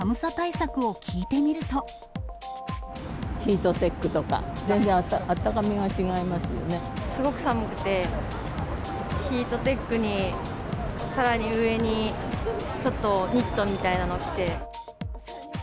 ヒートテックとか、全然、すごく寒くて、ヒートテックにさらに上にちょっとニットみたいなの着て。